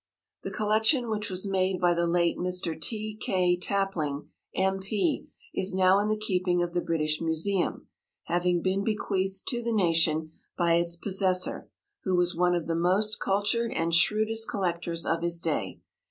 The collection which was made by the late Mr. T. K. Tapling, M.P., is now in the keeping of the British Museum, having been bequeathed to the nation by its possessor, who was one of the most cultured and shrewdest collectors of his day.